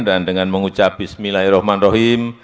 dan dengan mengucap bismillahirrahmanirrahim